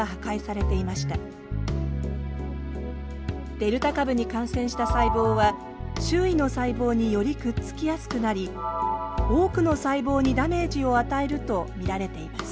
デルタ株に感染した細胞は周囲の細胞によりくっつきやすくなり多くの細胞にダメージを与えると見られています。